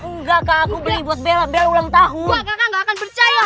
nggak aku beli buat bela bela ulang tahun